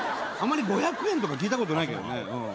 あまり５００円とか聞いたことないけどね。